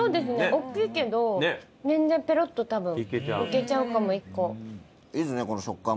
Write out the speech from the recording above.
大きいけど全然ペロッと多分いけちゃうかも１個。